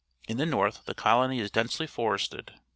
In the north the colony is densely forested.